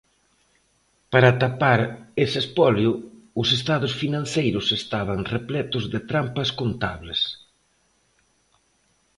Para tapar este espolio, os estados financeiros estaban repletos de trampas contables.